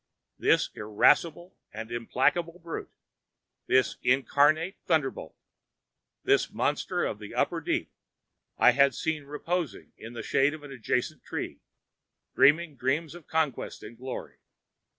This irascible and implacable brute—this incarnate thunderbolt—this monster of the upper deep, I had seen reposing in the shade of an adjacent tree, dreaming dreams of conquest and glory.